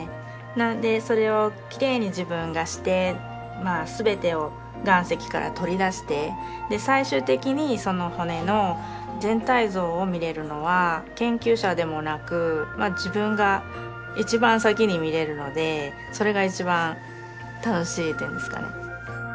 なのでそれをきれいに自分がして全てを岩石から取り出して最終的にその骨の全体像を見れるのは研究者でもなく自分が一番先に見れるのでそれが一番楽しいというんですかね。